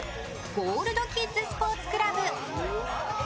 ゴールドキッズスポーツクラブ。